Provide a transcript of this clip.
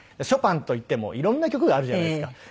ショパンといっても色んな曲があるじゃないですか。